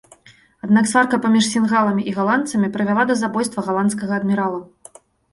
Аднак сварка паміж сінгаламі і галандцамі прывяла да забойства галандскага адмірала.